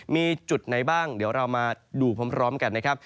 มีจุดไหนบ้างเดี๋ยวเรามาดูพร้อมกันนะครับ